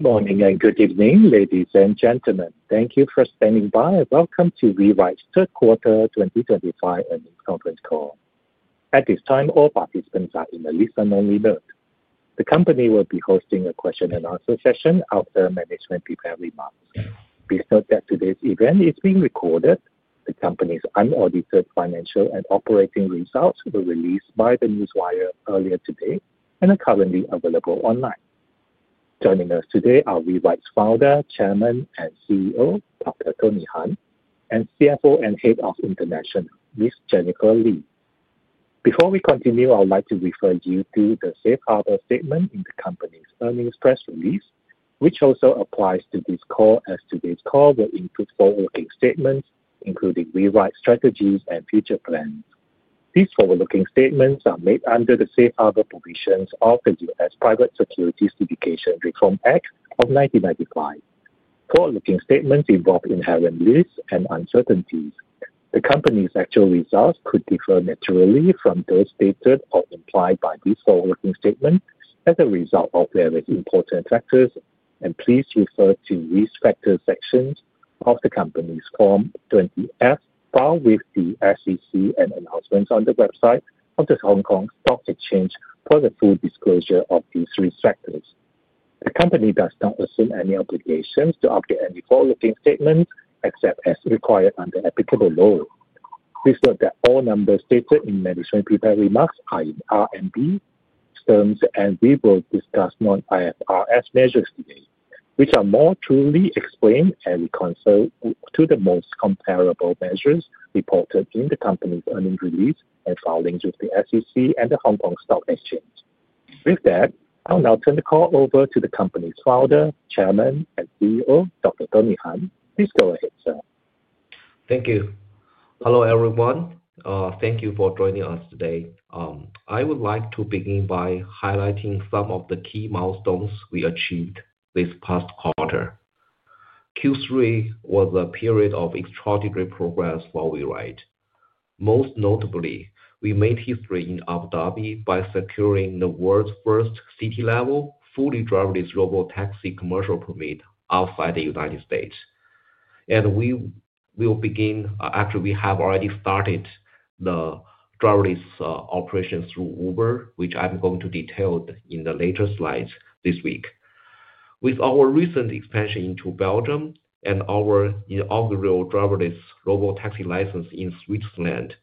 Good morning and good evening, ladies and gentlemen. Thank you for standing by. Welcome to WeRide's Third Quarter 2025 earnings conference call. At this time, all participants are in a listen-only mode. The company will be hosting a question-and-answer session after management prepare remarks. Please note that today's event is being recorded. The company's unaudited financial and operating results were released by the newswire earlier today and are currently available online. Joining us today are WeRide's founder, chairman, and CEO, Dr. Tony Han, and CFO and Head of International, Ms. Jennifer Li. Before we continue, I would like to refer you to the safe harbor statement in the company's earnings press release, which also applies to this call as today's call will include forward-looking statements including WeRide's strategies and future plans. These forward-looking statements are made under the safe harbor provisions of the U.S. Private Securities Certification Reform Act of 1995. Forward-looking statements involve inherent risks and uncertainties. The company's actual results could differ materially from those stated or implied by these forward-looking statements as a result of various important factors, and please refer to Risk Factors sections of the company's Form 20F, filed with the SEC and announcements on the website of the Hong Kong Stock Exchange for the full disclosure of these risk factors. The company does not assume any obligations to update any forward-looking statements except as required under applicable law. Please note that all numbers stated in management prepare remarks are in R&D terms, and we will discuss non-IFRS measures today, which are more truly explained and reconciled to the most comparable measures reported in the company's earnings release and filed linked with the SEC and the Hong Kong Stock Exchange. With that, I'll now turn the call over to the company's founder, chairman, and CEO, Dr. Tony Han. Please go ahead, sir. Thank you. Hello everyone. Thank you for joining us today. I would like to begin by highlighting some of the key milestones we achieved this past quarter. Q3 was a period of extraordinary progress for WeRide. Most notably, we made history in Abu Dhabi by securing the world's first city-level fully driverless robotaxi commercial permit outside the United States. Actually, we have already started the driverless operations through Uber, which I am going to detail in the later slides this week. With our recent expansion into Belgium and our inaugural driverless robotaxi license in Switzerland,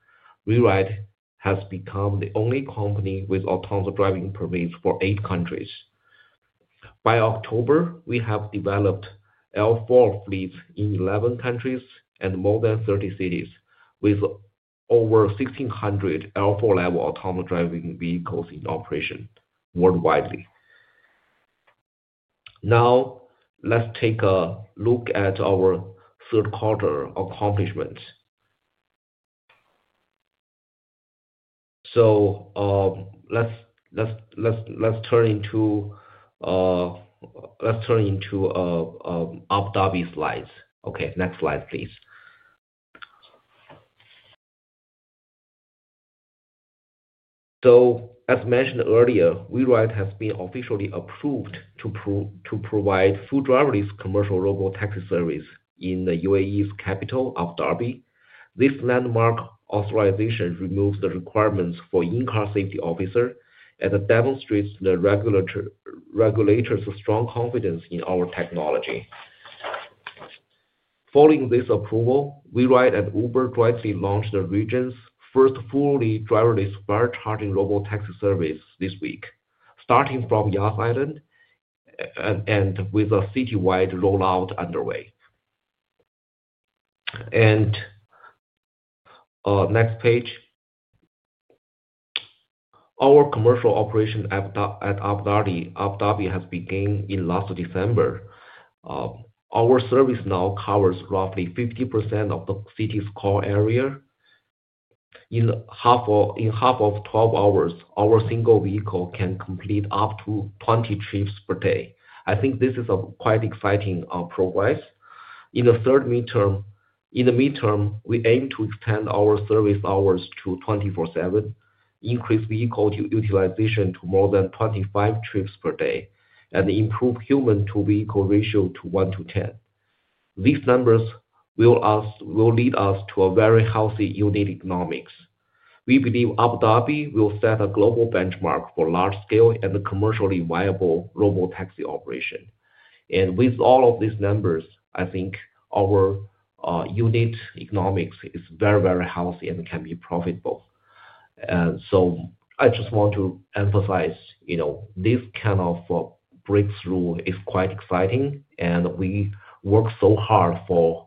WeRide has become the only company with autonomous driving permits for eight countries. By October, we have developed L4 fleets in 11 countries and more than 30 cities with over 1,600 L4-level autonomous driving vehicles in operation worldwide. Now, let's take a look at our third quarter accomplishments. Let's turn into Abu Dhabi slides. Okay, next slide, please. As mentioned earlier, WeRide has been officially approved to provide full driverless commercial robotaxi service in the UAE's capital, Abu Dhabi. This landmark authorization removes the requirements for in-car safety officers and demonstrates the regulator's strong confidence in our technology. Following this approval, WeRide and Uber jointly launched the region's first fully driverless fare charging robotaxi service this week, starting from Yas Island and with a citywide rollout underway. Next page. Our commercial operation at Abu Dhabi has begun in last December. Our service now covers roughly 50% of the city's core area. In half of 12 hours, our single vehicle can complete up to 20 trips per day. I think this is a quite exciting progress. In the midterm, we aim to extend our service hours to 24/7, increase vehicle utilization to more than 25 trips per day, and improve human-to-vehicle ratio to 1 to 10. These numbers will lead us to a very healthy unit economics. We believe Abu Dhabi will set a global benchmark for large-scale and commercially viable robotaxi operation. With all of these numbers, I think our unit economics is very, very healthy and can be profitable. I just want to emphasize this kind of breakthrough is quite exciting, and we worked so hard for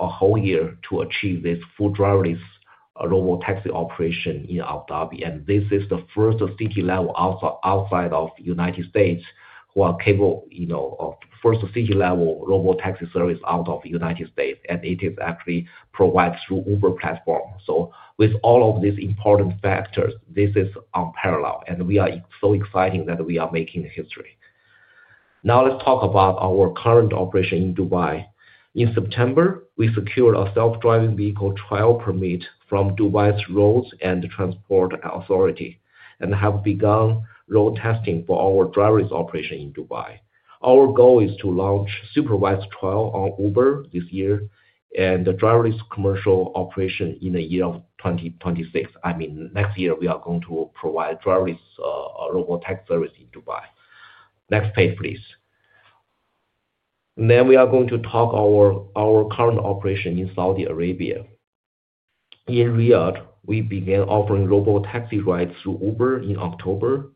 a whole year to achieve this full driverless robotaxi operation in Abu Dhabi. This is the first city-level outside of the United States who are capable of first city-level robotaxi service out of the United States, and it is actually provided through Uber platform. With all of these important factors, this is unparalleled, and we are so excited that we are making history. Now, let's talk about our current operation in Dubai. In September, we secured a self-driving vehicle trial permit from Dubai's Roads and Transport Authority and have begun road testing for our driverless operation in Dubai. Our goal is to launch a supervised trial on Uber this year and the driverless commercial operation in the year of 2026. I mean, next year, we are going to provide driverless robotaxi service in Dubai. Next page, please. We are going to talk about our current operation in Saudi Arabia. In Riyadh, we began offering robotaxi rides through Uber in October,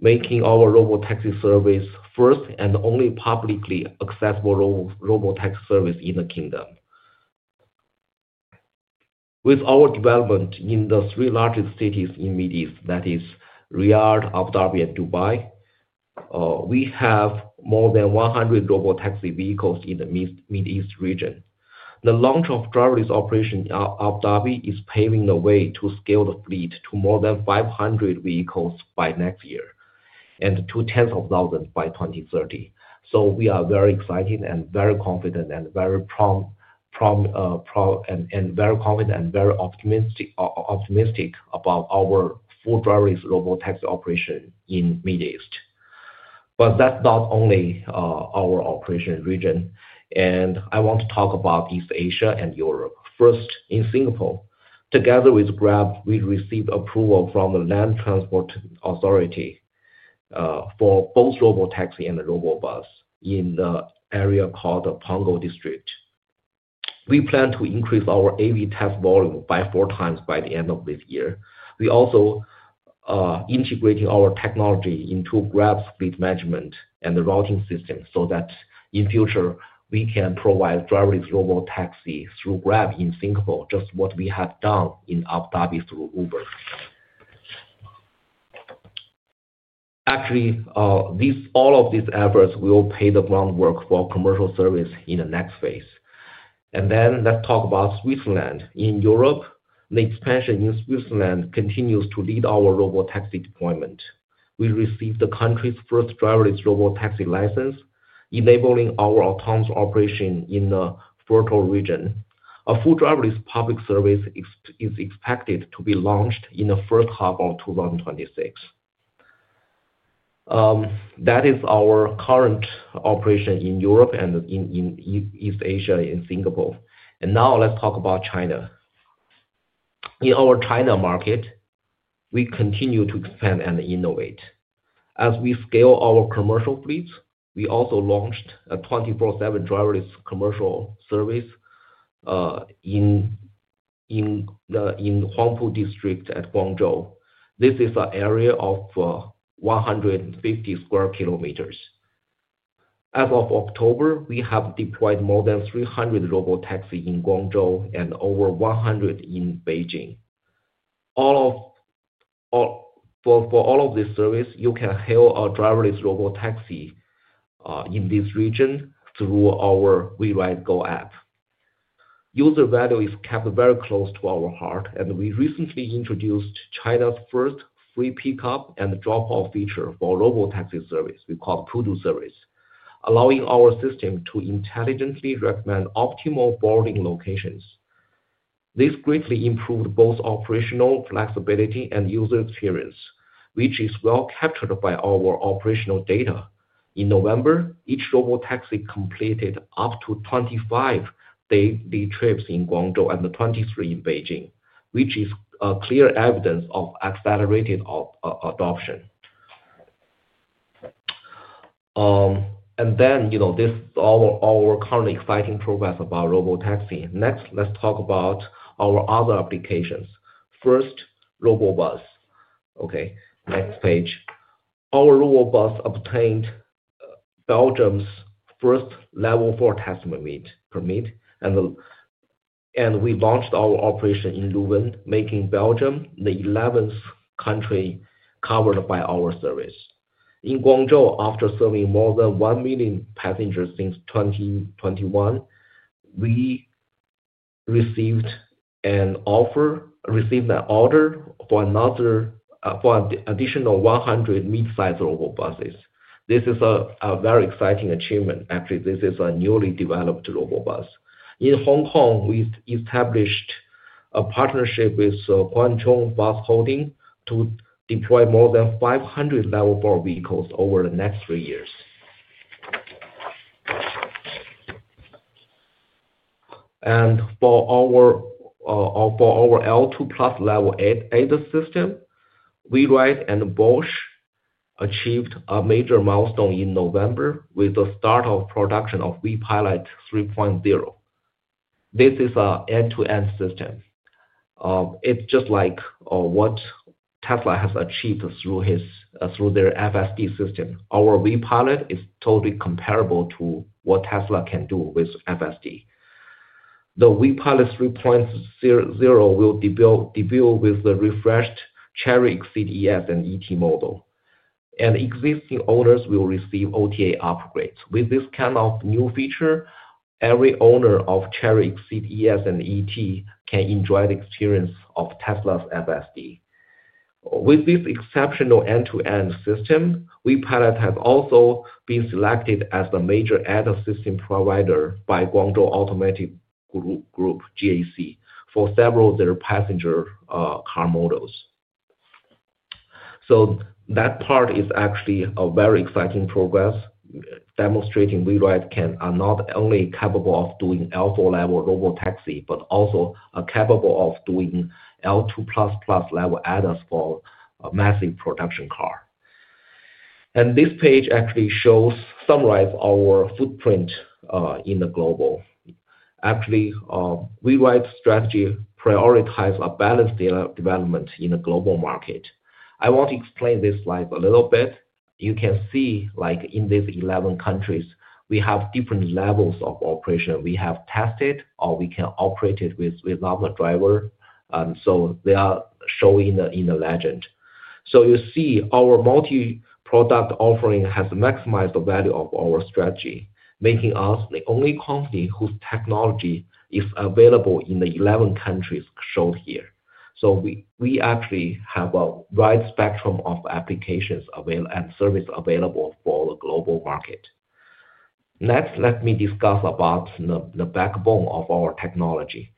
making our robotaxi service the first and only publicly accessible robotaxi service in the kingdom. With our development in the three largest cities in the Middle East, that is Riyadh, Abu Dhabi, and Dubai, we have more than 100 robotaxi vehicles in the Middle East region. The launch of driverless operation in Abu Dhabi is paving the way to scale the fleet to more than 500 vehicles by next year and to tens of thousands by 2030. We are very excited and very confident and very optimistic about our full driverless robotaxi operation in the Middle East. That is not only our operation region. I want to talk about East Asia and Europe. First, in Singapore, together with Grab, we received approval from the Land Transport Authority for both robotaxi and robo-bus in the area called the Punggol District. We plan to increase our AV test volume by four times by the end of this year. We're also integrating our technology into Grab's fleet management and the routing system so that in future, we can provide driverless robotaxi through Grab in Singapore, just what we have done in Abu Dhabi through Uber. Actually, all of these efforts will pave the groundwork for commercial service in the next phase. Let's talk about Switzerland. In Europe, the expansion in Switzerland continues to lead our robotaxi deployment. We received the country's first driverless robotaxi license, enabling our autonomous operation in the Furttal region. A full driverless public service is expected to be launched in the first half of 2026. That is our current operation in Europe and in East Asia in Singapore. Now let's talk about China. In our China market, we continue to expand and innovate. As we scale our commercial fleets, we also launched a 24/7 driverless commercial service in Huangpu District at Guangzhou. This is an area of 150 sq km. As of October, we have deployed more than 300 robotaxis in Guangzhou and over 100 in Beijing. For all of these services, you can hail a driverless robotaxi in this region through our WeRide Go app. User value is kept very close to our heart, and we recently introduced China's first free pickup and drop-off feature for robotaxi service. We call it Pudu service, allowing our system to intelligently recommend optimal boarding locations. This greatly improved both operational flexibility and user experience, which is well captured by our operational data. In November, each robotaxi completed up to 25 daily trips in Guangzhou and 23 in Beijing, which is clear evidence of accelerated adoption. This is our current exciting progress about robotaxi. Next, let's talk about our other applications. First, robo-bus. Okay, next page. Our robo-bus obtained Belgium's first Level 4 test permit, and we launched our operation in Leuven, making Belgium the 11th country covered by our service. In Guangzhou, after serving more than 1 million passengers since 2021, we received an order for an additional 100 mid-size robo-buses. This is a very exciting achievement. Actually, this is a newly developed robo-bus. In Hong Kong, we established a partnership with Kwoon Chung Bus Holdings to deploy more than 500 Level 4 vehicles over the next three years. For our L2+ Level 8 system, WeRide and Bosch achieved a major milestone in November with the start of production of WePilot 3.0. This is an end-to-end system. It's just like what Tesla has achieved through their FSD system. Our WePilot is totally comparable to what Tesla can do with FSD. The WePilot 3.0 will debut with the refreshed Chery Exeed ES and ET model, and existing owners will receive OTA upgrades. With this kind of new feature, every owner of Chery Exeed ES and ET can enjoy the experience of Tesla's FSD. With this exceptional end-to-end system, WePilot has also been selected as a major add-on system provider by Guangzhou Automotive Group, GAC, for several of their passenger car models. That part is actually a very exciting progress, demonstrating WeRide can not only be capable of doing L4-level robotaxi, but also capable of doing L2++ level add-ons for massive production cars. This page actually summarizes our footprint in the global. Actually, WeRide's strategy prioritizes a balanced development in the global market. I want to explain this slide a little bit. You can see in these 11 countries, we have different levels of operation. We have tested or we can operate it with other drivers. They are shown in the legend. You see our multi-product offering has maximized the value of our strategy, making us the only company whose technology is available in the 11 countries shown here. We actually have a wide spectrum of applications and service available for the global market. Next, let me discuss the backbone of our technology.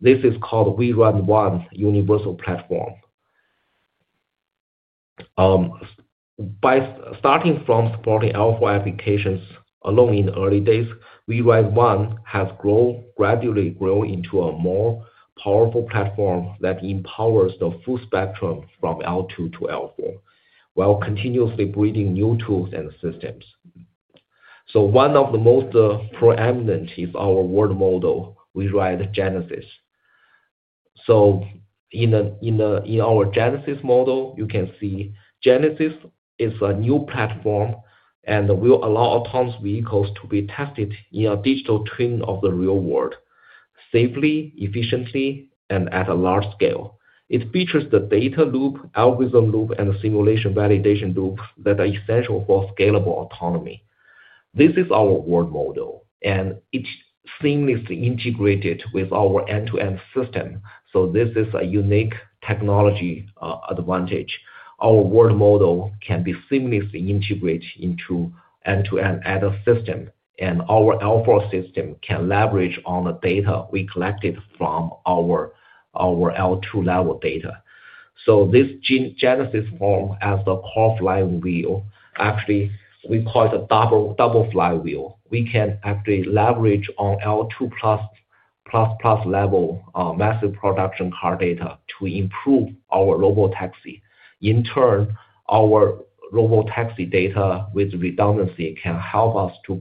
This is called WeRide One's universal platform. Starting from supporting L4 applications alone in the early days, WeRide One has gradually grown into a more powerful platform that empowers the full spectrum from L2 to L4 while continuously breeding new tools and systems. One of the most prominent is our world model, WeRide GENESIS. In our GENESIS model, you can see GENESIS is a new platform and will allow autonomous vehicles to be tested in a digital twin of the real world safely, efficiently, and at a large scale. It features the data loop, algorithm loop, and simulation validation loop that are essential for scalable autonomy. This is our world model, and it's seamlessly integrated with our end-to-end system. This is a unique technology advantage. Our world model can be seamlessly integrated into end-to-end add-on system, and our L4 system can leverage on the data we collected from our L2 level data. This GENESIS form as the core flying wheel, actually, we call it a double flywheel. We can actually leverage on L2+++ level massive production car data to improve our robotaxi. In turn, our robotaxi data with redundancy can help us to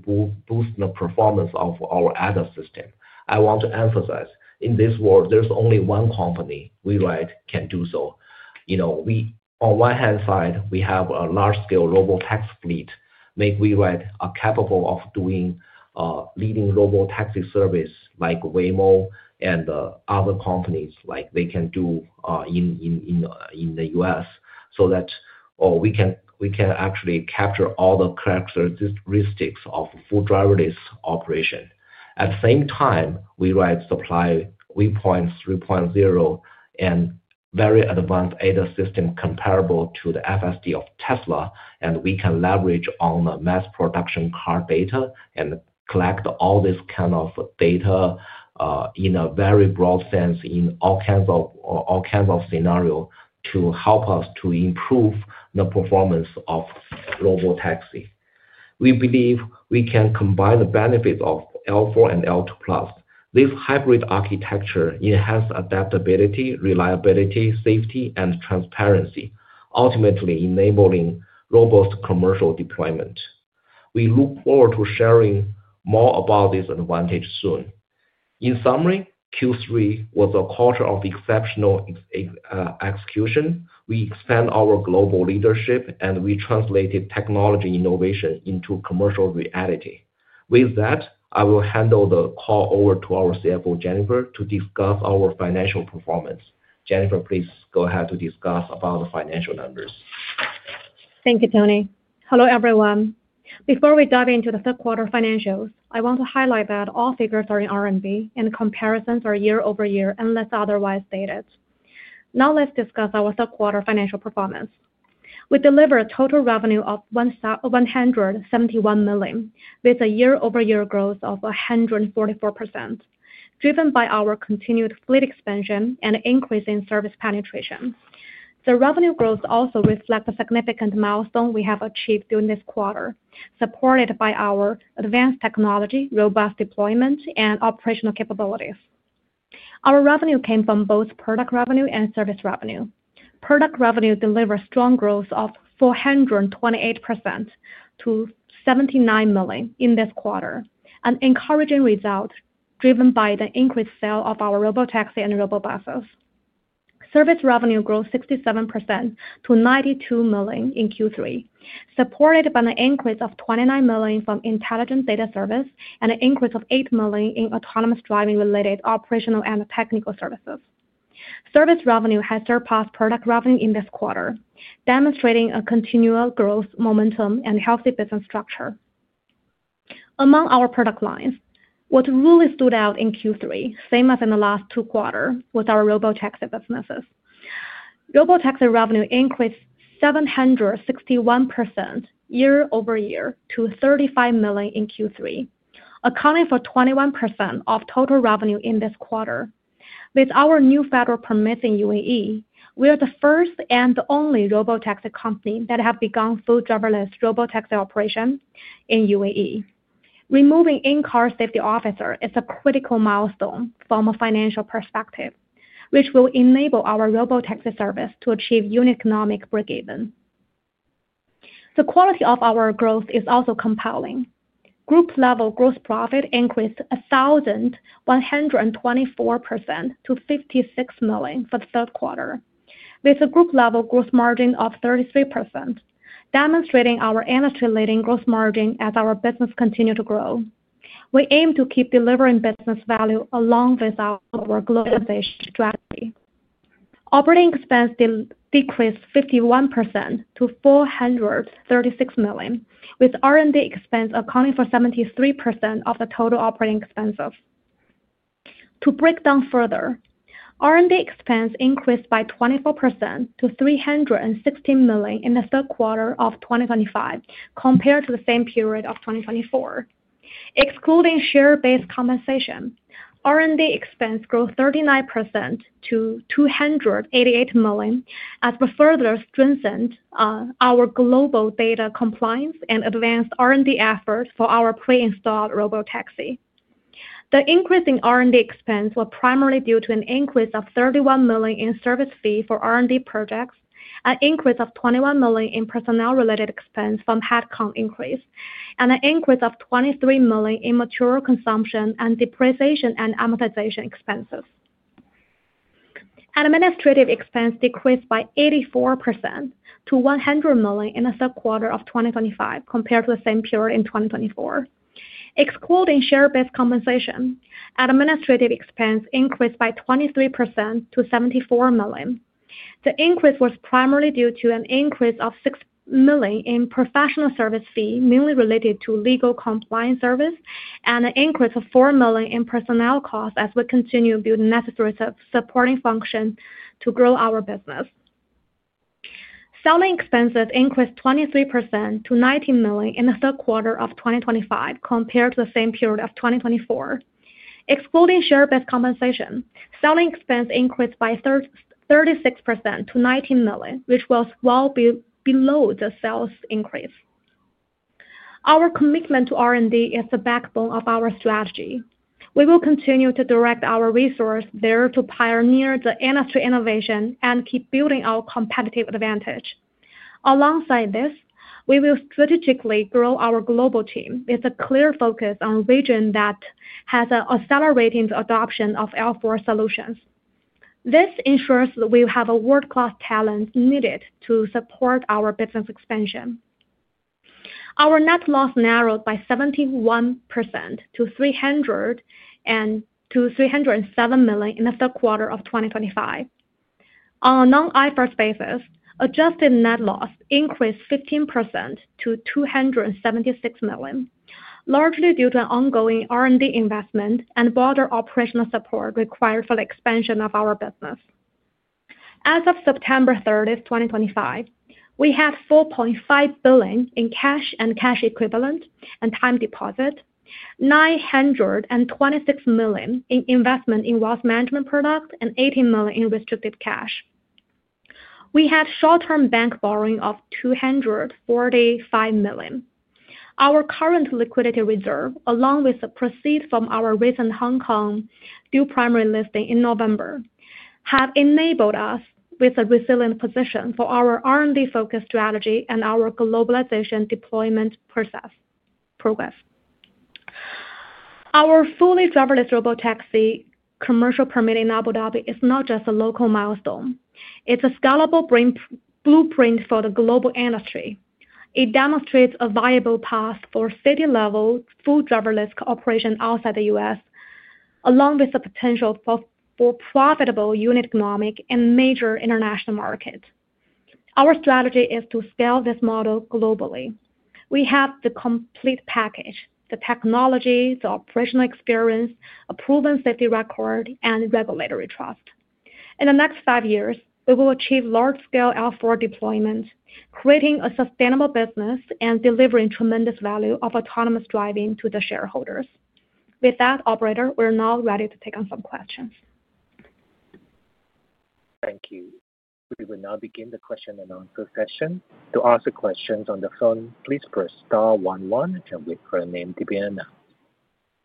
boost the performance of our add-on system. I want to emphasize in this world, there's only one company WeRide can do so. On one hand side, we have a large-scale robotaxi fleet. WeRide are capable of doing leading robotaxi service like Waymo and other companies like they can do in the U.S. so that we can actually capture all the characteristics of full driverless operation. At the same time, WeRide supplies WePilot 3.0 and very advanced add-on system comparable to the FSD of Tesla, and we can leverage on the mass production car data and collect all this kind of data in a very broad sense in all kinds of scenarios to help us to improve the performance of robotaxi. We believe we can combine the benefits of L4 and L2+. This hybrid architecture enhances adaptability, reliability, safety, and transparency, ultimately enabling robust commercial deployment. We look forward to sharing more about this advantage soon. In summary, Q3 was a quarter of exceptional execution. We expand our global leadership, and we translated technology innovation into commercial reality. With that, I will handle the call over to our CFO, Jennifer, to discuss our financial performance. Jennifer, please go ahead to discuss about the financial numbers. Thank you, Tony. Hello, everyone. Before we dive into the third quarter financials, I want to highlight that all figures are in RMB and comparisons are year-over-year unless otherwise stated. Now let's discuss our third quarter financial performance. We delivered a total revenue of 171 million with a year-over-year growth of 144%, driven by our continued fleet expansion and increasing service penetration. The revenue growth also reflects a significant milestone we have achieved during this quarter, supported by our advanced technology, robust deployment, and operational capabilities. Our revenue came from both product revenue and service revenue. Product revenue delivered strong growth of 428% to 79 million in this quarter, an encouraging result driven by the increased sale of our robotaxi and robo-buses. Service revenue grew 67% to 92 million in Q3, supported by an increase of 29 million from intelligent data service and an increase of 8 million in autonomous driving-related operational and technical services. Service revenue has surpassed product revenue in this quarter, demonstrating a continual growth momentum and healthy business structure. Among our product lines, what really stood out in Q3, same as in the last two quarters, was our robotaxi businesses. Robotaxi revenue increased 761% year-over-year to 35 million in Q3, accounting for 21% of total revenue in this quarter. With our new federal permits in UAE, we are the first and the only robotaxi company that has begun full driverless robotaxi operation in UAE. Removing in-car safety officer is a critical milestone from a financial perspective, which will enable our robotaxi service to achieve unit economic breakeven. The quality of our growth is also compelling. Group-level gross profit increased 1,124% to 56 million for the third quarter, with a group-level gross margin of 33%, demonstrating our industry-leading gross margin as our business continues to grow. We aim to keep delivering business value along with our globalization strategy. Operating expense decreased 51% to 436 million, with R&D expense accounting for 73% of the total operating expenses. To break down further, R&D expense increased by 24% to 316 million in the third quarter of 2025 compared to the same period of 2024. Excluding share-based compensation, R&D expense grew 39% to 288 million as we further strengthened our global data compliance and advanced R&D efforts for our pre-installed robotaxi. The increase in R&D expense was primarily due to an increase of 31 million in service fees for R&D projects, an increase of 21 million in personnel-related expense from HATCOM increase, and an increase of 23 million in material consumption and depreciation and amortization expenses. Administrative expense decreased by 84% to 100 million in the third quarter of 2025 compared to the same period in 2024. Excluding share-based compensation, administrative expense increased by 23% to 74 million. The increase was primarily due to an increase of 6 million in professional service fees mainly related to legal compliance service and an increase of 4 million in personnel costs as we continue to build necessary supporting functions to grow our business. Selling expenses increased 23% to 19 million in the third quarter of 2025 compared to the same period of 2024. Excluding share-based compensation, selling expense increased by 36% to 19 million, which was well below the sales increase. Our commitment to R&D is the backbone of our strategy. We will continue to direct our resources there to pioneer the industry innovation and keep building our competitive advantage. Alongside this, we will strategically grow our global team with a clear focus on regions that have accelerated the adoption of L4 solutions. This ensures that we have a world-class talent needed to support our business expansion. Our net loss narrowed by 71% to 307 million in the third quarter of 2025. On a non-IFRS basis, adjusted net loss increased 15% to 276 million, largely due to ongoing R&D investment and broader operational support required for the expansion of our business. As of September 30, 2025, we had 4.5 billion in cash and cash equivalent and time deposit, 926 million in investment in wealth management product, and 18 million in restricted cash. We had short-term bank borrowing of 245 million. Our current liquidity reserve, along with the proceeds from our recent Hong Kong dual primary listing in November, have enabled us with a resilient position for our R&D-focused strategy and our globalization deployment progress. Our fully driverless robotaxi commercial permit in Abu Dhabi is not just a local milestone. It's a scalable blueprint for the global industry. It demonstrates a viable path for city-level full driverless operation outside the U.S., along with the potential for profitable unit economics and major international markets. Our strategy is to scale this model globally. We have the complete package: the technology, the operational experience, a proven safety record, and regulatory trust. In the next five years, we will achieve large-scale L4 deployment, creating a sustainable business and delivering tremendous value of autonomous driving to the shareholders. With that, operator, we're now ready to take on some questions. Thank you. We will now begin the question and answer session. To ask questions on the phone, please press star 11 and wait for your name to be announced.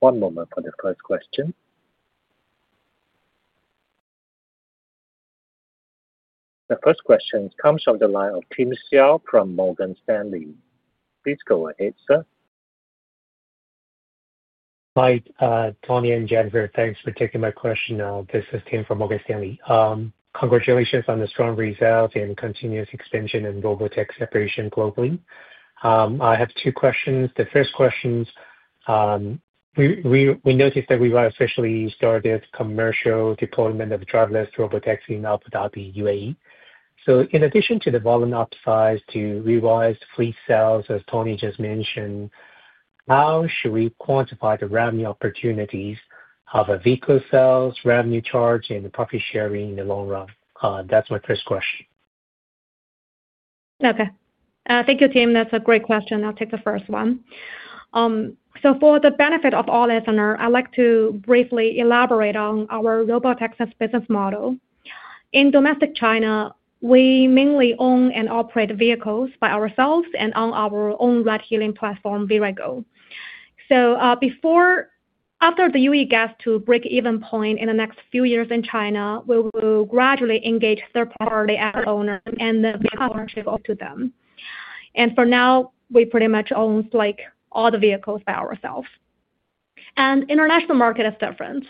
One moment for the first question. The first question comes from the line of Tim Hsiao from Morgan Stanley. Please go ahead, sir. Hi, Tony and Jennifer. Thanks for taking my question. This is Tim from Morgan Stanley. Congratulations on the strong results and continuous expansion and robotaxi operation globally. I have two questions. The first questions, we noticed that WeRide officially started commercial deployment of driverless robotaxi in Abu Dhabi, UAE. In addition to the volume upsize to WeRide's fleet sales, as Tony just mentioned, how should we quantify the revenue opportunities of vehicle sales, revenue charge, and profit sharing in the long run? That's my first question. Thank you, Tim. That's a great question. I'll take the first one. For the benefit of all listeners, I'd like to briefly elaborate on our robotaxi business model. In domestic China, we mainly own and operate vehicles by ourselves and on our own ride-hailing platform, WeRide Go. After the UAE gets to break-even point in the next few years in China, we will gradually engage third-party add-on owners and the partnership to them. For now, we pretty much own all the vehicles by ourselves. The international market is different.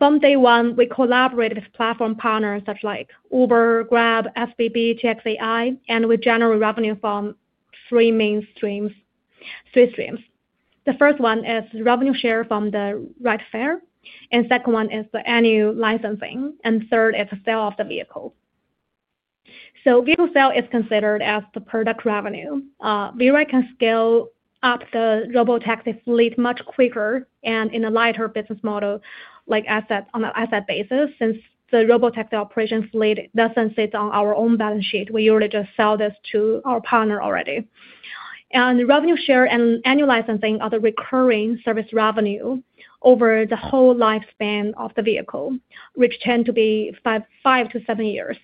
From day one, we collaborated with platform partners such as Uber, Grab, FBB, TXAI, and we generate revenue from three main streams. The first one is revenue share from the ride fare. The second one is the annual licensing. The third is the sale of the vehicle. Vehicle sale is considered as the product revenue. WeRide can scale up the robotaxi fleet much quicker and in a lighter business model on an asset basis since the robotaxi operation fleet doesn't sit on our own balance sheet. We usually just sell this to our partner already. Revenue share and annual licensing are the recurring service revenue over the whole lifespan of the vehicle, which tends to be five to seven years.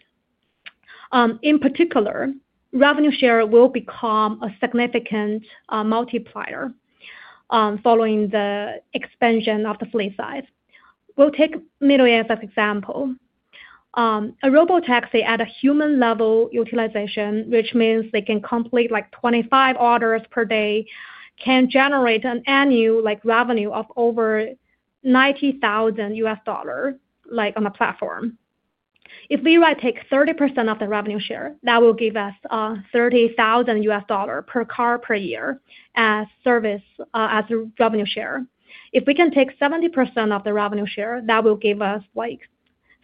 In particular, revenue share will become a significant multiplier following the expansion of the fleet size. We'll take Middle East as an example. A robotaxi at a human-level utilization, which means they can complete like 25 orders per day, can generate an annual revenue of over $90,000 on a platform. If WeRide takes 30% of the revenue share, that will give us $30,000 per car per year as revenue share. If we can take 70% of the revenue share, that will give us like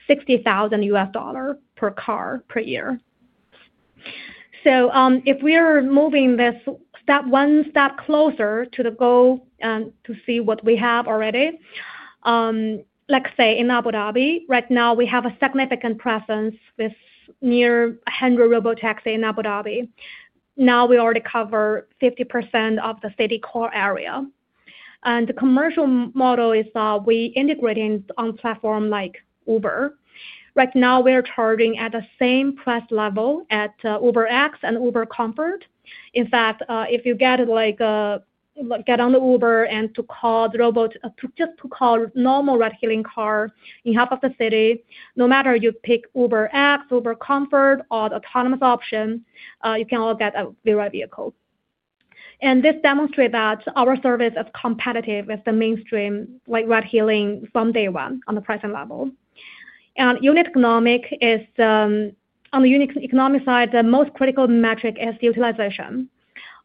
$60,000 per car per year. If we are moving this one step closer to the goal and to see what we have already, let's say in Abu Dhabi, right now we have a significant presence with near 100 robotaxis in Abu Dhabi. Now we already cover 50% of the city core area. The commercial model is we integrate on platforms like Uber. Right now, we are charging at the same price level as UberX and UberComfort. In fact, if you get on Uber and call the robot just to call a normal ride-hailing car in half of the city, no matter if you pick UberX, UberComfort, or the autonomous option, you can all get a WeRide vehicle. This demonstrates that our service is competitive with the mainstream ride-hailing from day one on the pricing level. On the unit economic side, the most critical metric is utilization.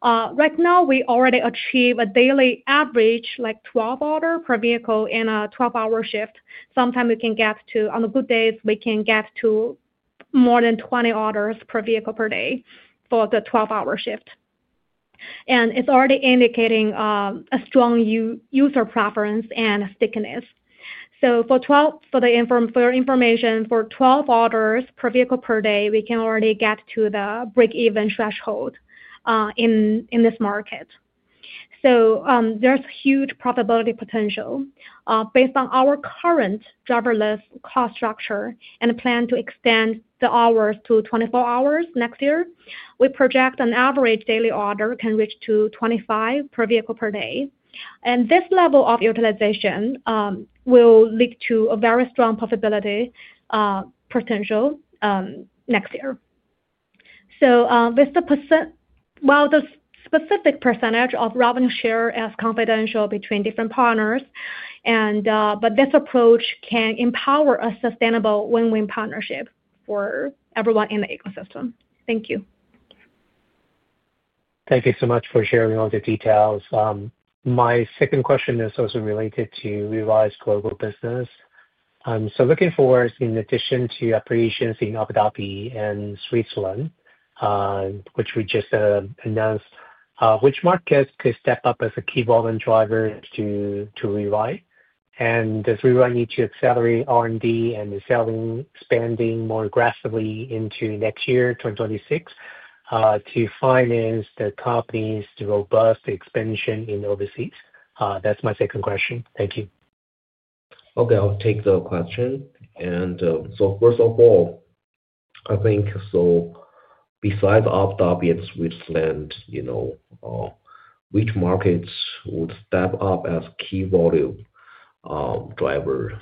Right now, we already achieve a daily average like 12 orders per vehicle in a 12-hour shift. Sometimes we can get to, on good days, we can get to more than 20 orders per vehicle per day for the 12-hour shift. It is already indicating a strong user preference and stickiness. For your information, for 12 orders per vehicle per day, we can already get to the break-even threshold in this market. There is huge profitability potential. Based on our current driverless cost structure and plan to extend the hours to 24 hours next year, we project an average daily order can reach to 25 per vehicle per day. This level of utilization will lead to a very strong profitability potential next year. While the specific percentage of revenue share is confidential between different partners, but this approach can empower a sustainable win-win partnership for everyone in the ecosystem. Thank you. Thank you so much for sharing all the details. My second question is also related to WeRide's global business. Looking forward, in addition to operations in Abu Dhabi and Switzerland, which we just announced, which markets could step up as a key volume driver to WeRide? Does WeRide need to accelerate R&D and selling, expanding more aggressively into next year, 2026, to finance the company's robust expansion in overseas? That's my second question. Thank you. Okay. I'll take the question. First of all, I think besides Abu Dhabi and Switzerland, which markets would step up as key volume driver?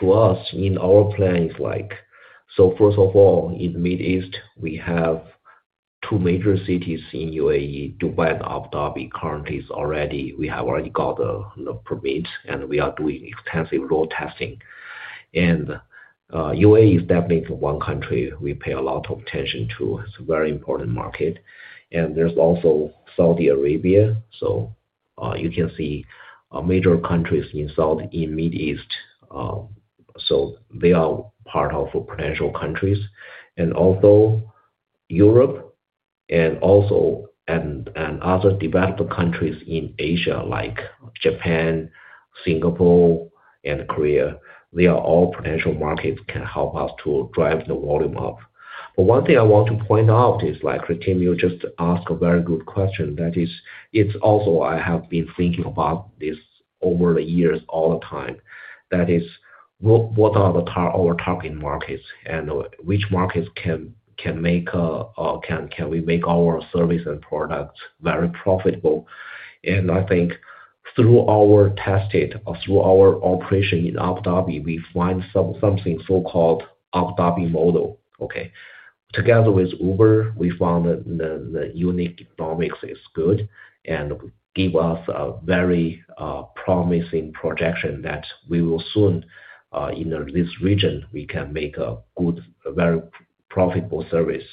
To us, in our plan, it's like first of all, in the Middle East, we have two major cities in UAE, Dubai and Abu Dhabi. Currently, we have already got the permit, and we are doing extensive road testing. UAE is definitely one country we pay a lot of attention to. It's a very important market. There's also Saudi Arabia. You can see major countries in the Middle East. They are part of potential countries. Also, Europe and other developed countries in Asia like Japan, Singapore, and Korea, they are all potential markets that can help us to drive the volume up. One thing I want to point out is, like Tim, you just asked a very good question. That is, it's also something I have been thinking about over the years all the time. That is, what are our target markets? And which markets can we make our service and products very profitable? I think through our testing or through our operation in Abu Dhabi, we find something so-called Abu Dhabi model. Okay. Together with Uber, we found the unit economics is good and give us a very promising projection that we will soon in this region, we can make a good, very profitable service.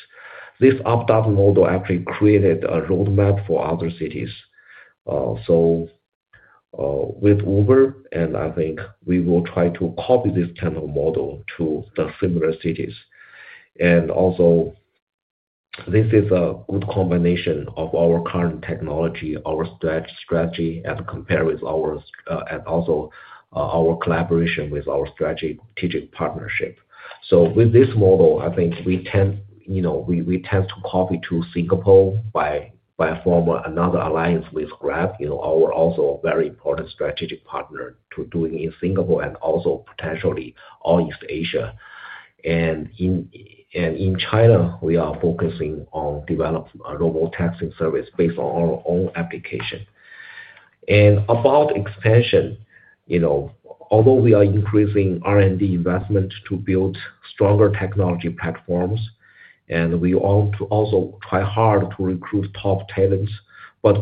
This Abu Dhabi model actually created a roadmap for other cities. With Uber, I think we will try to copy this kind of model to the similar cities. Also, this is a good combination of our current technology, our strategy as compared with our and also our collaboration with our strategic partnership. With this model, I think we tend to copy to Singapore by forming another alliance with Grab, our also very important strategic partner to doing in Singapore and also potentially all East Asia. In China, we are focusing on developing a robotaxi service based on our own application. About expansion, although we are increasing R&D investment to build stronger technology platforms, and we also try hard to recruit top talents,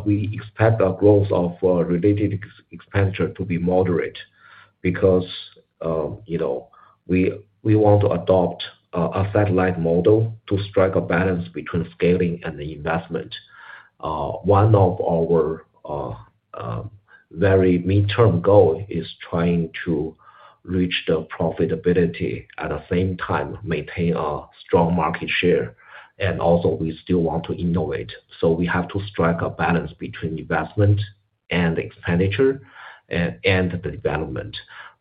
we expect our growth of related expenditure to be moderate because we want to adopt a satellite model to strike a balance between scaling and the investment. One of our very midterm goal is trying to reach the profitability at the same time, maintain a strong market share. Also, we still want to innovate. We have to strike a balance between investment and expenditure and the development.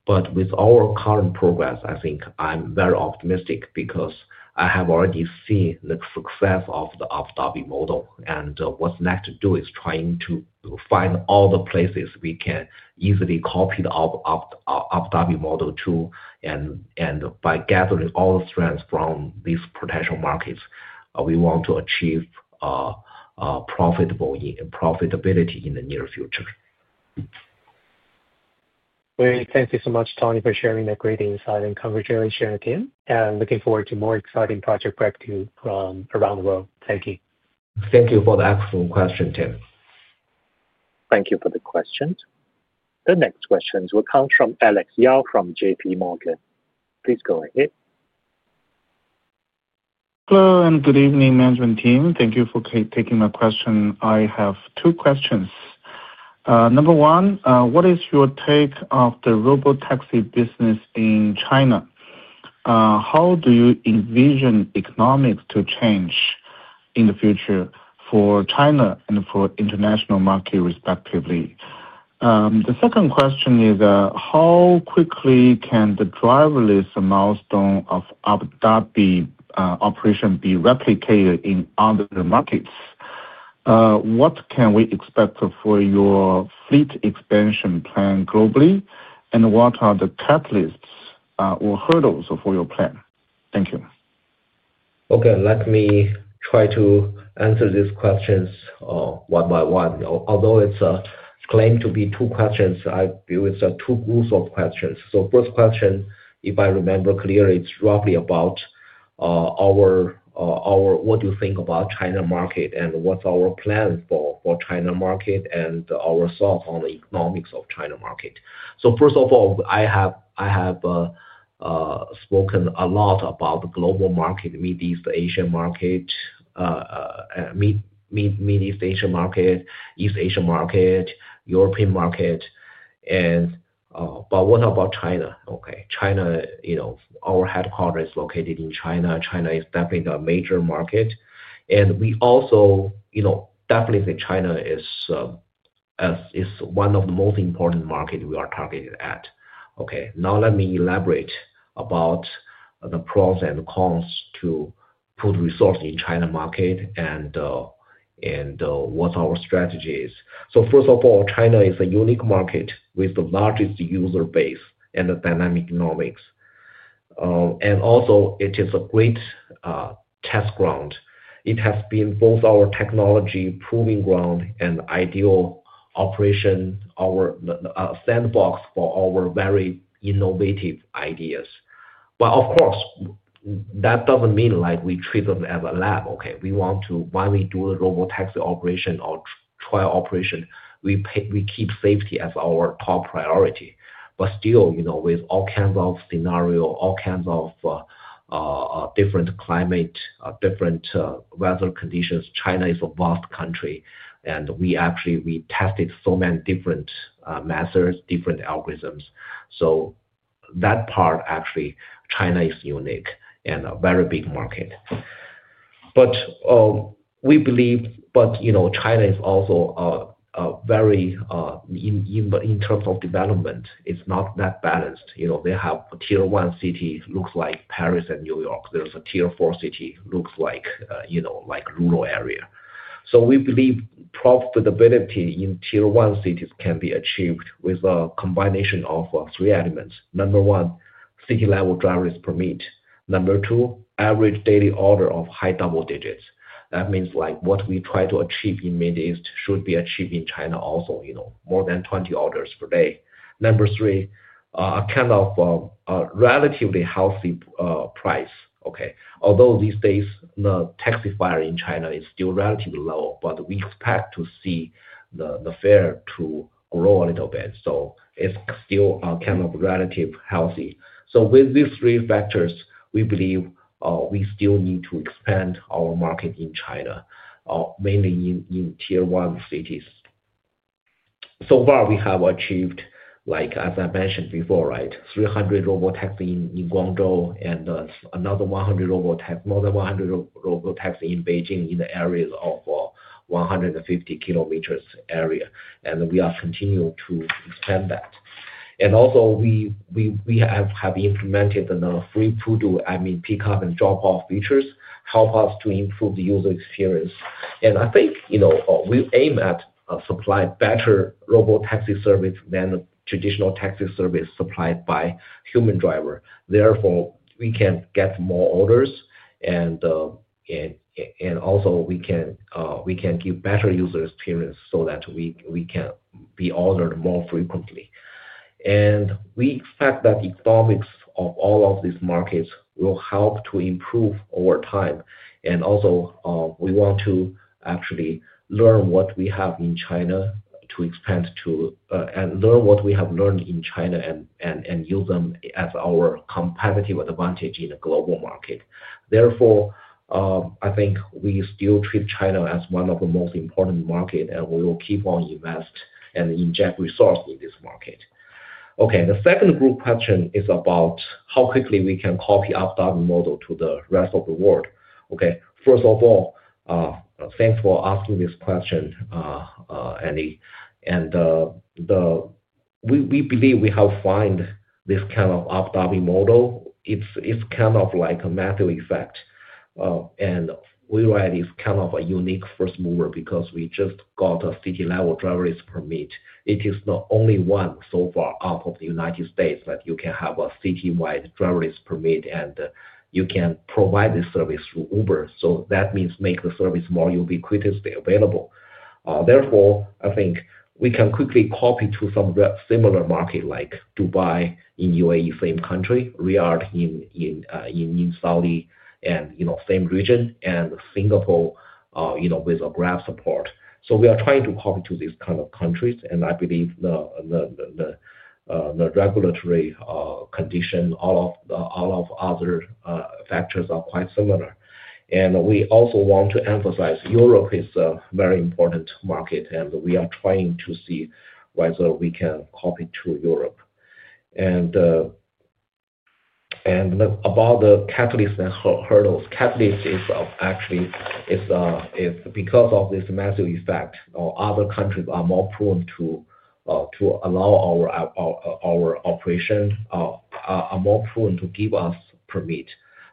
With our current progress, I think I'm very optimistic because I have already seen the success of the Abu Dhabi model. What's next to do is trying to find all the places we can easily copy the Abu Dhabi model to. By gathering all the strengths from these potential markets, we want to achieve profitability in the near future. Thank you so much, Tony, for sharing that great insight and congratulations, Tim. Looking forward to more exciting projects back to you from around the world. Thank you. Thank you for the excellent question, Tim. Thank you for the questions. The next questions will come from Alex Yao from JPMorgan. Please go ahead. Hello and good evening, management team. Thank you for taking my question. I have two questions. Number one, what is your take of the robotaxi business in China? How do you envision economics to change in the future for China and for international market, respectively? The second question is, how quickly can the driverless milestone of Abu Dhabi operation be replicated in other markets? What can we expect for your fleet expansion plan globally, and what are the catalysts or hurdles for your plan? Thank you. Okay. Let me try to answer these questions one by one. Although it's claimed to be two questions, I believe it's two groups of questions. First question, if I remember clearly, it's roughly about what do you think about China market and what's our plan for China market and our thoughts on the economics of China market? First of all, I have spoken a lot about the global market, Middle East, Asia market, Middle East, Asia market, East Asia market, European market. What about China? Okay. China, our headquarters is located in China. China is definitely a major market. We also definitely think China is one of the most important markets we are targeted at. Okay. Now let me elaborate about the pros and cons to put resources in China market and what our strategy is. First of all, China is a unique market with the largest user base and the dynamic economics. Also, it is a great test ground. It has been both our technology proving ground and ideal operation, our sandbox for our very innovative ideas. Of course, that doesn't mean we treat them as a lab. Okay. We want to, when we do the robotaxi operation or trial operation, we keep safety as our top priority. Still, with all kinds of scenarios, all kinds of different climate, different weather conditions, China is a vast country. We actually tested so many different methods, different algorithms. That part, actually, China is unique and a very big market. We believe China is also very, in terms of development, it's not that balanced. They have tier one cities, looks like Paris and New York. There's a tier four city, looks like rural area. We believe profitability in tier one cities can be achieved with a combination of three elements. Number one, city-level driverless permit. Number two, average daily order of high double digits. That means what we try to achieve in the Middle East should be achieved in China also, more than 20 orders per day. Number three, a kind of relatively healthy price. Although these days, the taxifier in China is still relatively low, we expect to see the fare to grow a little bit. It is still kind of relatively healthy. With these three factors, we believe we still need to expand our market in China, mainly in tier one cities. So far, we have achieved, as I mentioned before, 300 robotaxis in Guangzhou and another 100 robotaxis, more than 100 robotaxis in Beijing in the areas of 150 km area. We are continuing to expand that. We have implemented the free pickup and drop-off features to help us to improve the user experience. I think we aim at supplying better robotaxi service than traditional taxi service supplied by human driver. Therefore, we can get more orders. We can give better user experience so that we can be ordered more frequently. We expect that economics of all of these markets will help to improve over time. We want to actually learn what we have in China to expand to and learn what we have learned in China and use them as our competitive advantage in a global market. Therefore, I think we still treat China as one of the most important markets, and we will keep on investing and injecting resources in this market. Okay. The second group question is about how quickly we can copy Abu Dhabi model to the rest of the world. First of all, thanks for asking this question, Alex. We believe we have found this kind of Abu Dhabi model. It's kind of like a meteor effect. WeRide is kind of a unique first mover because we just got a city-level driverless permit. It is the only one so far out of the U.S. that you can have a city-wide driverless permit, and you can provide the service through Uber. That means make the service more ubiquitously available. Therefore, I think we can quickly copy to some similar market like Dubai in UAE, same country, Riyadh in Saudi, and same region, and Singapore with a Grab support. We are trying to copy to these kind of countries. I believe the regulatory condition, all of other factors are quite similar. We also want to emphasize Europe is a very important market, and we are trying to see whether we can copy to Europe. About the catalysts and hurdles, catalysts is actually because of this meteor effect, other countries are more prone to allow our operation, are more prone to give us permit.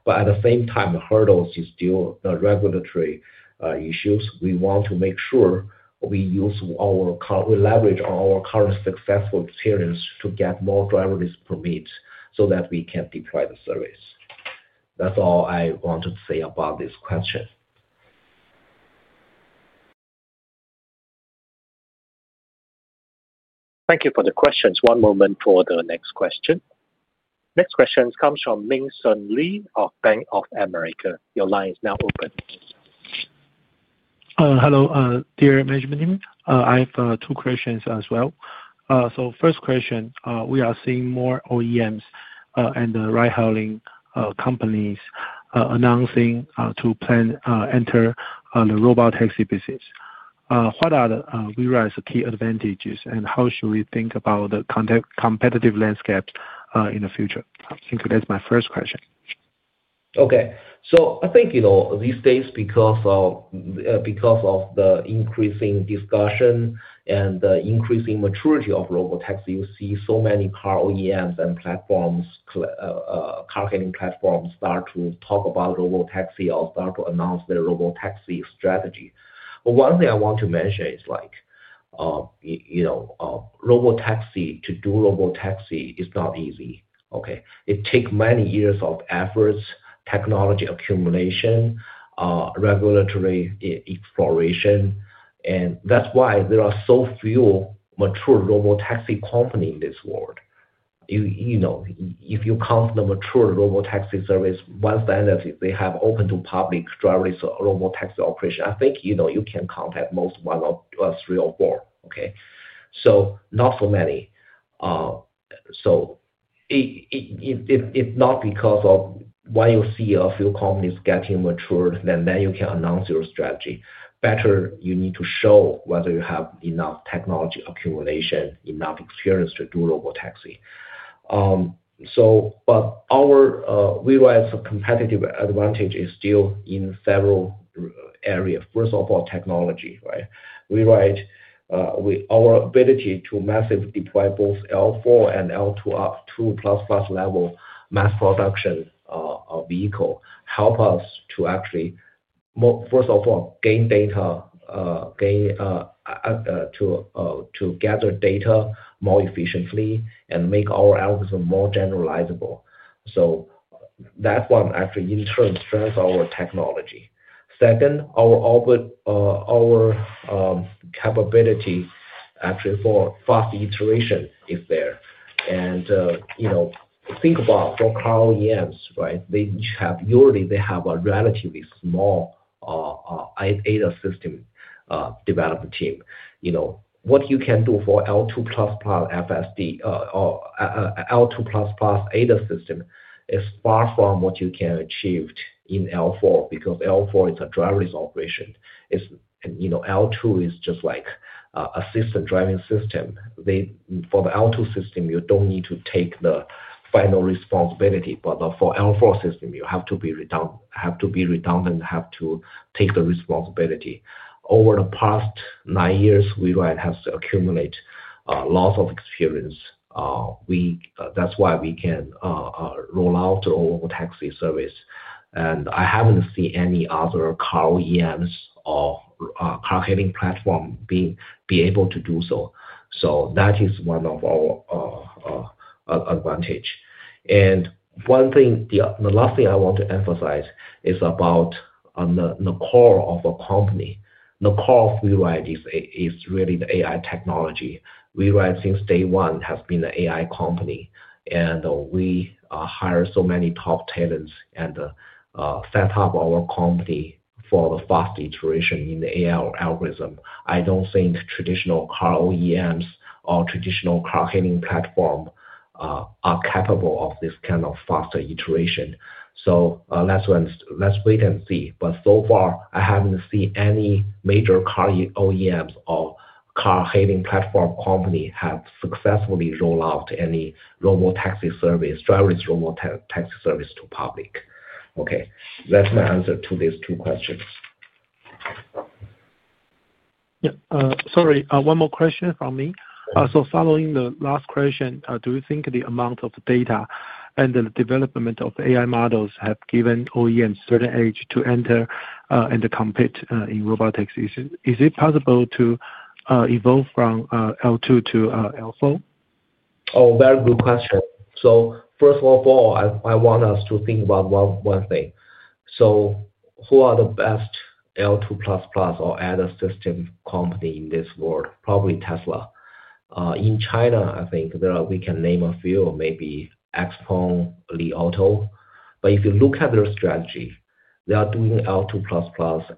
At the same time, the hurdles are still regulatory issues. We want to make sure we use our leverage on our current successful experience to get more driverless permits so that we can deploy the service. That's all I wanted to say about this question. Thank you for the questions. One moment for the next question. Next question comes from Ming Hsun Lee of Bank of America. Your line is now open. Hello, dear management team. I have two questions as well. First question, we are seeing more OEMs and ride-hailing companies announcing to plan to enter the robotaxi business. What are WeRide's key advantages, and how should we think about the competitive landscape in the future? Thank you. That's my first question. Okay. I think these days, because of the increasing discussion and the increasing maturity of robotaxi, you see so many car OEMs and platforms, car-hailing platforms start to talk about robotaxi or start to announce their robotaxi strategy. One thing I want to mention is robotaxi, to do robotaxi is not easy. It takes many years of efforts, technology accumulation, regulatory exploration. That is why there are so few mature robotaxi companies in this world. If you count the mature robotaxi service, one standard is they have open to public driverless robotaxi operation. I think you can count at most one or three or four. Not so many. If not because of why you see a few companies getting matured, then you can announce your strategy. Better, you need to show whether you have enough technology accumulation, enough experience to do robotaxi. Our WeRide's competitive advantage is still in several areas. First of all, technology, right? WeRide, our ability to massively deploy both L4 and L2 up to plus-plus level mass production vehicle helps us to actually, first of all, gain data, to gather data more efficiently and make our algorithm more generalizable. That one, actually, in turn, strengthens our technology. Second, our capability, actually, for fast iteration is there. Think about for car OEMs, right? Usually, they have a relatively small ADAS system development team. What you can do for L2++ FSD or L2++ ADAS system is far from what you can achieve in L4 because L4 is a driverless operation. L2 is just like a system driving system. For the L2 system, you do not need to take the final responsibility. For L4 system, you have to be redundant, have to be redundant, have to take the responsibility. Over the past nine years, WeRide has accumulated lots of experience. That is why we can roll out the robotaxi service. I have not seen any other car OEMs or car-hailing platform be able to do so. That is one of our advantages. The last thing I want to emphasize is about the core of a company. The core of WeRide is really the AI technology. WeRide, since day one, has been an AI company. We hire so many top talents and set up our company for the fast iteration in the AI algorithm. I do not think traditional car OEMs or traditional car-hailing platforms are capable of this kind of faster iteration. Let's wait and see. So far, I haven't seen any major car OEMs or car-hailing platform company have successfully rolled out any robotaxi service, driverless robotaxi service to public. Okay. That's my answer to these two questions. Yeah. Sorry. One more question from me. Following the last question, do you think the amount of data and the development of AI models have given OEMs certain edge to enter and compete in robotaxi? Is it possible to evolve from L2 to L4? Oh, very good question. First of all, I want us to think about one thing. Who are the best L2++ or ADAS system company in this world? Probably Tesla. In China, I think we can name a few, maybe Xpeng, Li Auto. If you look at their strategy, they are doing L2++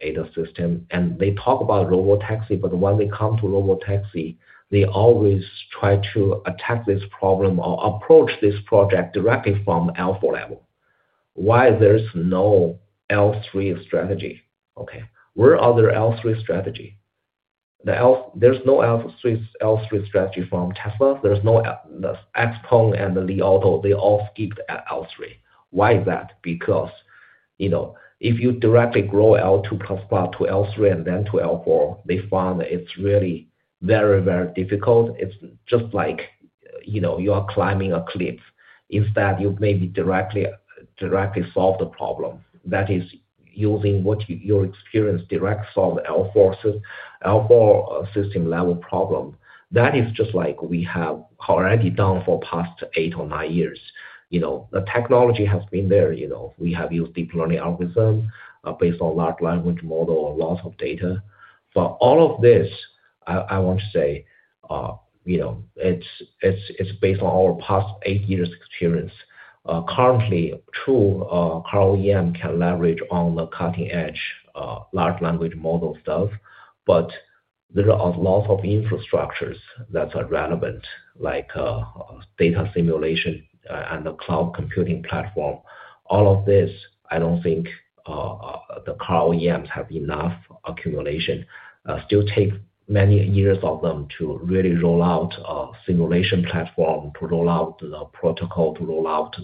ADAS system. They talk about robotaxi, but when they come to robotaxi, they always try to attack this problem or approach this project directly from L4 level. Why there is no L3 strategy? Okay. Where are their L3 strategy? There's no L3 strategy from Tesla. There's no Xpeng and Li Auto. They all skipped L3. Why is that? Because if you directly grow L2++ to L3 and then to L4, they find it's really very, very difficult. It's just like you are climbing a cliff. Instead, you maybe directly solve the problem. That is using what your experience directly solves L4 system level problem. That is just like we have already done for past eight or nine years. The technology has been there. We have used deep learning algorithms based on large language model or lots of data. All of this, I want to say, is based on our past eight years' experience. Currently, true car OEM can leverage on the cutting-edge large language model stuff. There are lots of infrastructures that are relevant, like data simulation and the cloud computing platform. All of this, I do not think the car OEMs have enough accumulation. It will still take many years for them to really roll out a simulation platform, to roll out the protocol, to roll out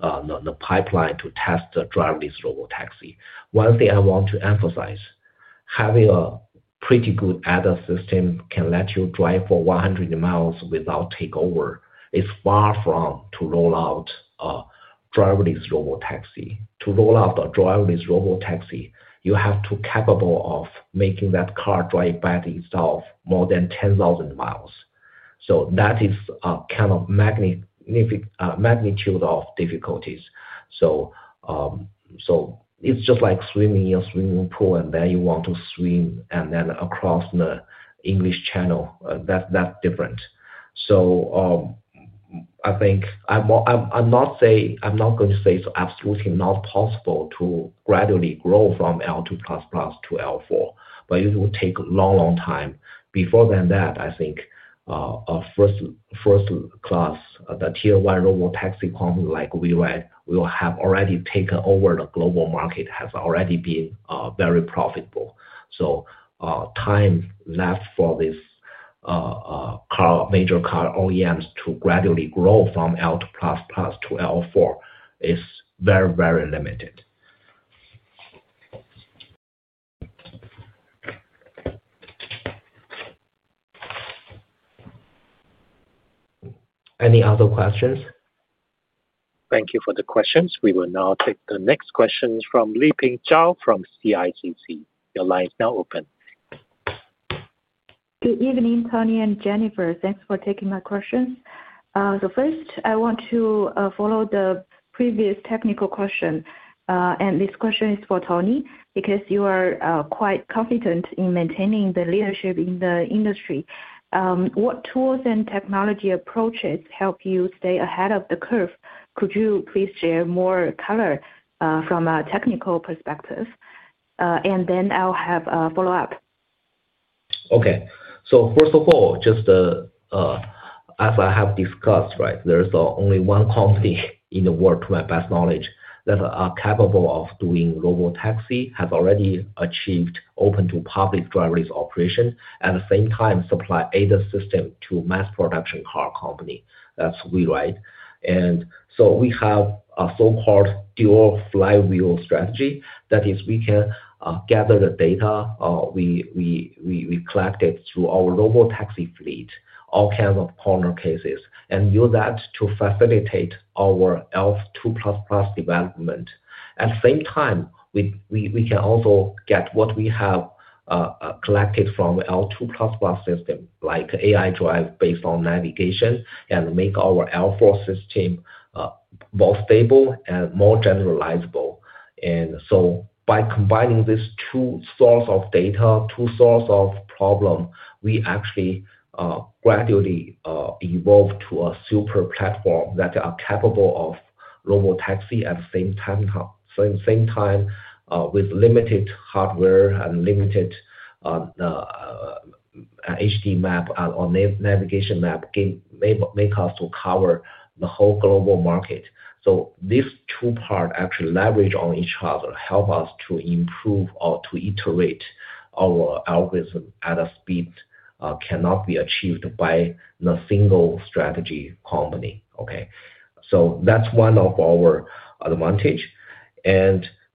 the pipeline to test the driverless robotaxi. One thing I want to emphasize, having a pretty good ADAS system can let you drive for 100 mi without takeover. It is far from rolling out a driverless robotaxi. To roll out a driverless robotaxi, you have to be capable of making that car drive by itself more than 10,000 mi. That is a kind of magnitude of difficulties. It's just like swimming in a swimming pool, and then you want to swim and then across the English Channel. That's different. I think I'm not going to say it's absolutely not possible to gradually grow from L2++ to L4. But it will take a long, long time. Before then, I think first-class, the tier one robotaxi company like WeRide will have already taken over the global market, has already been very profitable. Time left for these major car OEMs to gradually grow from L2++ to L4 is very, very limited. Any other questions? Thank you for the questions. We will now take the next question from Li Ping Zhao from CICC. Your line is now open. Good evening, Tony and Jennifer. Thanks for taking my questions. First, I want to follow the previous technical question. This question is for Tony because you are quite confident in maintaining the leadership in the industry. What tools and technology approaches help you stay ahead of the curve? Could you please share more color from a technical perspective? I have a follow-up. First of all, just as I have discussed, there is only one company in the world, to my best knowledge, that is capable of doing robotaxi, has already achieved open to public driverless operation. At the same time, supply ADAS system to mass production car company. That is WeRide. We have a so-called dual flywheel strategy that is we can gather the data we collected through our robotaxi fleet, all kinds of corner cases, and use that to facilitate our L2++ development. At the same time, we can also get what we have collected from L2++ system, like AI drive based on navigation, and make our L4 system more stable and more generalizable. By combining these two sources of data, two sources of problem, we actually gradually evolve to a super platform that is capable of robotaxi at the same time, with limited hardware and limited HD map or navigation map, make us cover the whole global market. These two parts actually leverage on each other, help us to improve or to iterate our algorithm at a speed that cannot be achieved by a single strategy company. Okay. That is one of our advantages.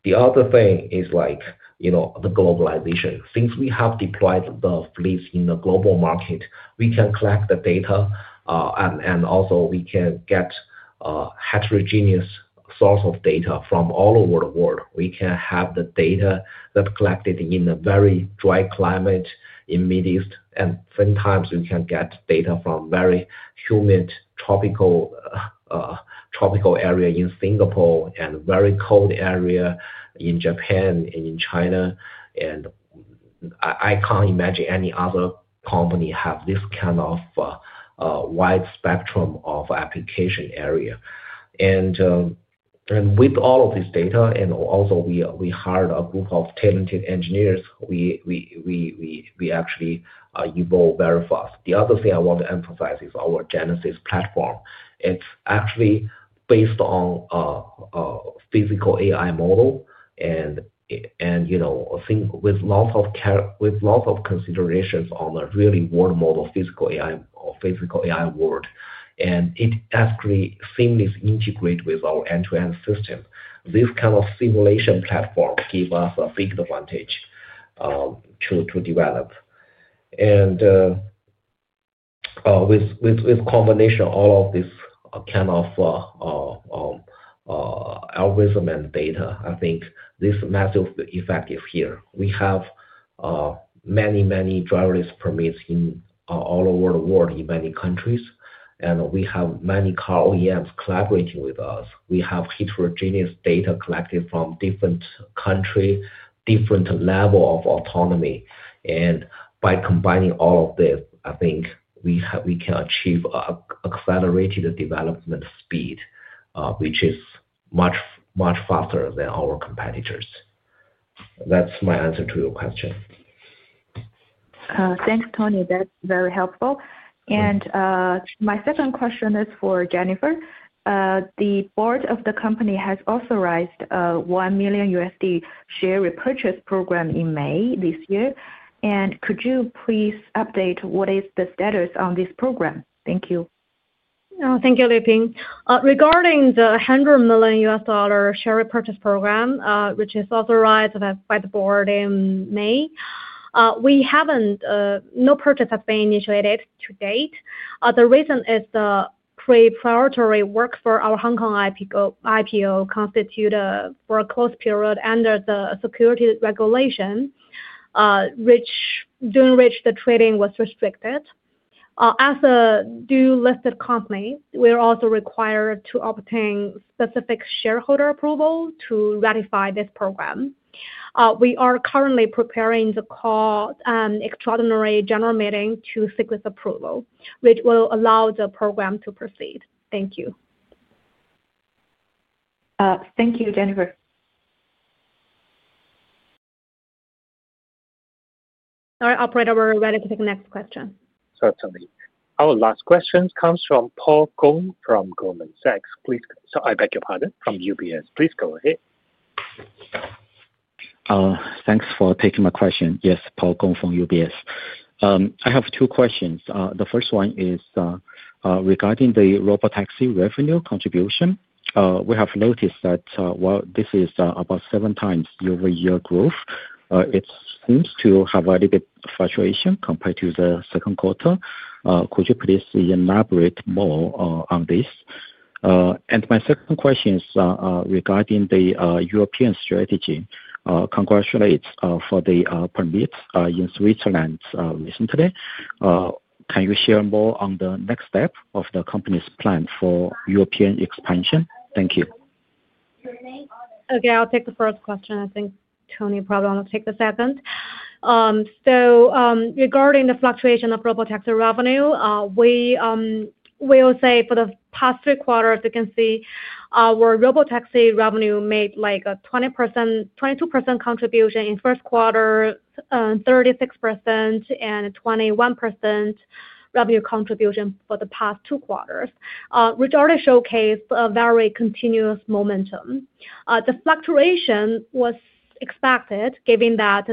The other thing is the globalization. Since we have deployed the fleets in the global market, we can collect the data. We can get heterogeneous sources of data from all over the world. We can have the data that's collected in a very dry climate in the Middle East. Sometimes, we can get data from very humid tropical area in Singapore and very cold area in Japan and in China. I can't imagine any other company has this kind of wide spectrum of application area. With all of this data, and also, we hired a group of talented engineers, we actually evolved very fast. The other thing I want to emphasize is our Genesis platform. It's actually based on a physical AI model and with lots of considerations on a really world model physical AI world. It actually seamlessly integrates with our end-to-end system. This kind of simulation platform gives us a big advantage to develop. With combination of all of this kind of algorithm and data, I think this is massively effective here. We have many, many driverless permits all over the world in many countries. We have many car OEMs collaborating with us. We have heterogeneous data collected from different countries, different levels of autonomy. By combining all of this, I think we can achieve accelerated development speed, which is much faster than our competitors. That is my answer to your question. Thanks, Tony. That is very helpful. My second question is for Jennifer. The board of the company has authorized a $1 million share repurchase program in May this year. Could you please update what is the status on this program? Thank you. Thank you, Li Ping. Regarding the $100 million share repurchase program, which is authorized by the board in May, no purchase has been initiated to date. The reason is the pre-priority work for our Hong Kong IPO constituted for a closed period under the security regulation, during which the trading was restricted. As a dual-listed company, we are also required to obtain specific shareholder approval to ratify this program. We are currently preparing the extraordinary general meeting to seek this approval, which will allow the program to proceed. Thank you. Thank you, Jennifer. Sorry, operator, we're ready to take the next question. Certainly. Our last question comes from Paul Gong from UBS. Please go ahead. Thanks for taking my question. Yes, Paul Gong from UBS. I have two questions. The first one is regarding the robotaxi revenue contribution. We have noticed that while this is about seven times year-over-year growth, it seems to have a little bit fluctuation compared to the second quarter. Could you please elaborate more on this? My second question is regarding the European strategy. Congratulations for the permit in Switzerland recently. Can you share more on the next step of the company's plan for European expansion? Thank you. Okay. I'll take the first question. I think Tony probably wants to take the second. Regarding the fluctuation of robotaxi revenue, we will say for the past three quarters, you can see our robotaxi revenue made like a 22% contribution in first quarter, 36%, and 21% revenue contribution for the past two quarters. We already showcased a very continuous momentum. The fluctuation was expected given that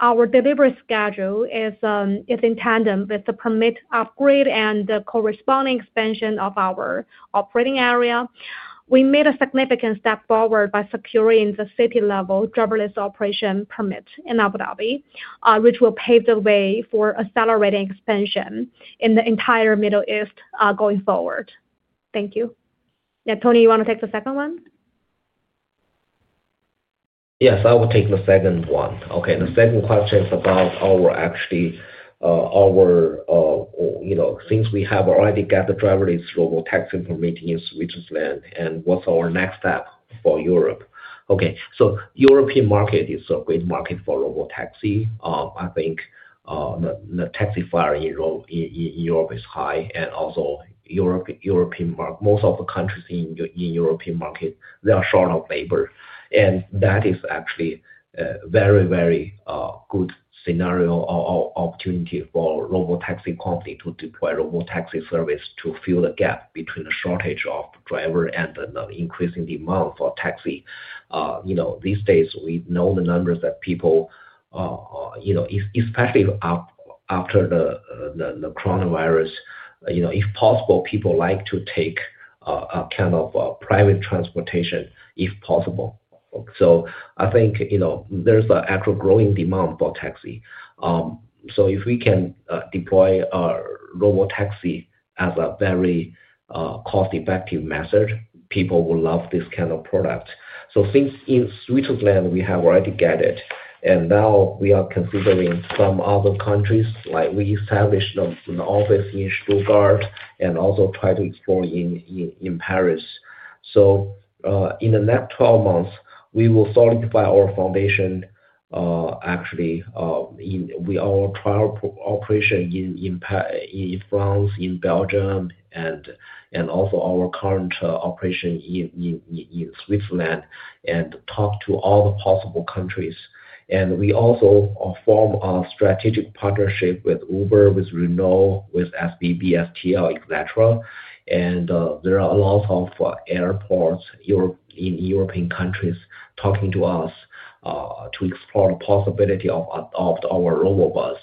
our delivery schedule is in tandem with the permit upgrade and the corresponding expansion of our operating area. We made a significant step forward by securing the city-level driverless operation permit in Abu Dhabi, which will pave the way for accelerating expansion in the entire Middle East going forward. Thank you. Yeah, Tony, you want to take the second one? Yes, I will take the second one. Okay. The second question is about our actually our since we have already got the driverless robotaxi permit in Switzerland and what's our next step for Europe. Okay. European market is a great market for robotaxi. I think the taxifier in Europe is high. Also, most of the countries in the European market, they are short of labor. That is actually a very, very good scenario or opportunity for robotaxi company to deploy robotaxi service to fill the gap between the shortage of driver and the increasing demand for taxi. These days, we know the numbers that people, especially after the coronavirus, if possible, people like to take a kind of private transportation if possible. I think there's an actual growing demand for taxi. If we can deploy a robotaxi as a very cost-effective method, people will love this kind of product. Since in Switzerland, we have already got it. We are considering some other countries. We established an office in Stuttgart and also tried to explore in Paris. In the next 12 months, we will solidify our foundation actually with our trial operation in France, in Belgium, and also our current operation in Switzerland and talk to all the possible countries. We also form a strategic partnership with Uber, with Renault, with SBB, STL, etc. There are lots of airports in European countries talking to us to explore the possibility of our robo-bus.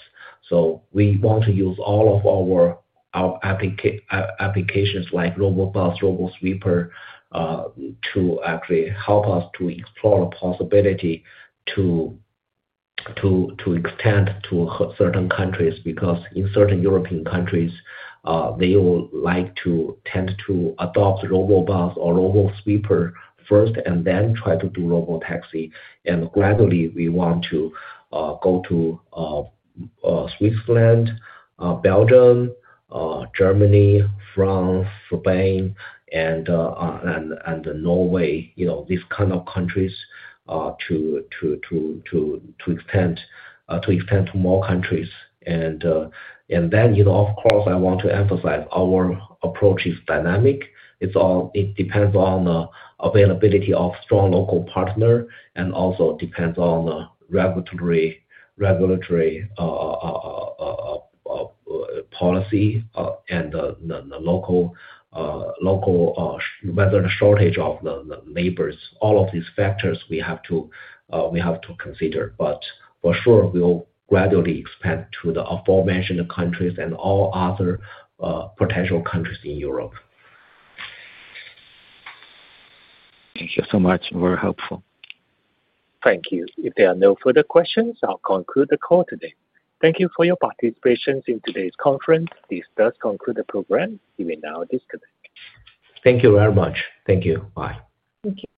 We want to use all of our applications like robo-bus, robo-sweeper to actually help us to explore the possibility to extend to certain countries because in certain European countries, they will like to tend to adopt robo-bus or robo-sweeper first and then try to do robo-taxi. Gradually, we want to go to Switzerland, Belgium, Germany, France, Spain, and Norway, these kind of countries to extend to more countries. Of course, I want to emphasize our approach is dynamic. It depends on the availability of strong local partners and also depends on the regulatory policy and the local weather shortage of the neighbors. All of these factors we have to consider. For sure, we'll gradually expand to the aforementioned countries and all other potential countries in Europe. Thank you so much. Very helpful. Thank you. If there are no further questions, I'll conclude the call today. Thank you for your participation in today's conference. This does conclude the program. You may now disconnect. Thank you very much. Thank you. Bye. Thank you.